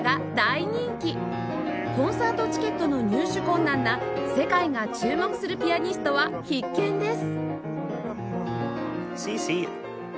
コンサートチケットの入手困難な世界が注目するピアニストは必見です